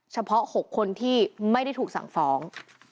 เฉพาะ๖คนที่ไม่ได้ถูกสั่งฟ้อง